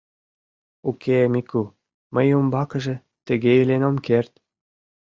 — Уке, Мику, мый умбакыже тыге илен ом керт.